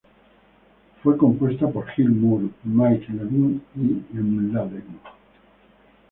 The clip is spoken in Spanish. Fue compuesta por Gil Moore, Mike Levine y Mladen.